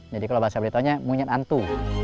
jadi kalau bahasa britanya munyid antu